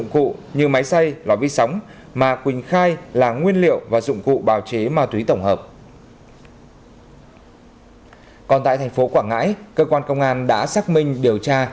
cơ quan công an đã xác minh điều tra